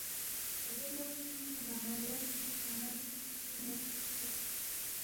تا دے لو خسُوم پو گنگمہ لس میدپا ن٘ا دِکھہ خسوین یقسے چِہ بید